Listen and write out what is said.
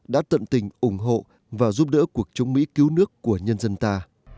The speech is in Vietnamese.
đã tận tình ủng hộ và giúp đỡ cuộc chống mỹ cứu nước của nhân dân ta